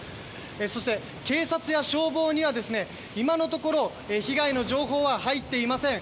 そして、警察や消防には今のところ被害の情報は入っていません。